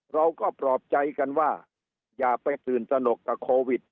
เราก็ปลอบใจกันว่าอย่าไปตื่นตนกกับโควิด